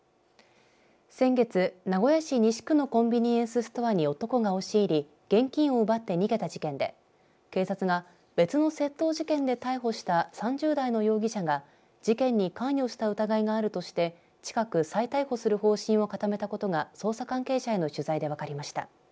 先月、名古屋市西区のコンビニエンスストアに男が押し入り現金を奪って逃げた事件で警察が別の窃盗事件で逮捕した３０代の容疑者が事件に関与した疑いがあるとして近く再逮捕する方針を固めたことが捜査関係者への取材で分かりました。